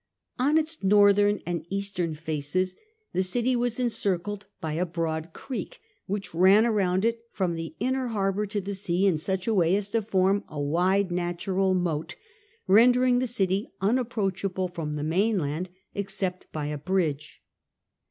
On its northern and eastern faces the city was encircled by a broad creek, which ran round it from the inner harbour to the sea in such a way as to form a wide natural moat, rendering the city unapproachable from the mainland except by a bridge.